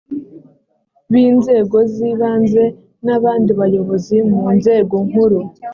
b inzego z ibanze n abandi bayobozi mu nzego nkuru